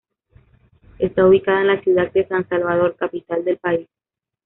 Está ubicada en la ciudad de San Salvador, capital del país.